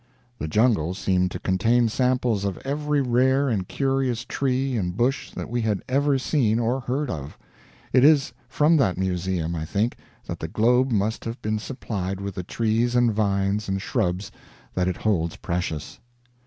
The jungle seemed to contain samples of every rare and curious tree and bush that we had ever seen or heard of. It is from that museum, I think, that the globe must have been supplied with the trees and vines and shrubs that it holds precious.